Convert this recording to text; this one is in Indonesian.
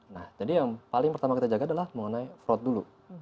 nah jadi yang paling pertama kita jaga adalah mengenai fraud dulu